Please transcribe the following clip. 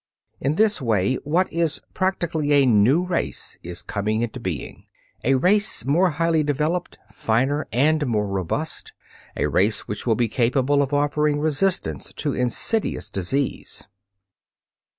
In this way what is practically a new race is coming into being, a race more highly developed, finer and more robust; a race which will be capable of offering resistance to insidious disease.